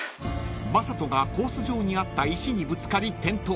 ［正人がコース上にあった石にぶつかり転倒］